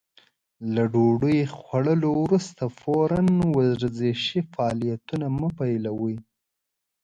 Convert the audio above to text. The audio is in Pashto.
له ډوډۍ خوړلو وروسته فورً ورزشي فعالیتونه مه پيلوئ.